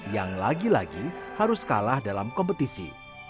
yang lagi lagi harus kalah dalam kompetisi